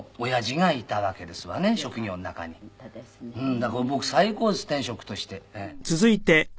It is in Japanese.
だから僕最高です天職として。